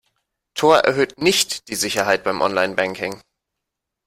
Tor erhöht nicht die Sicherheit beim Online-Banking.